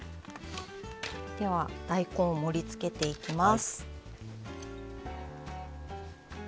大根を盛りつけていきます。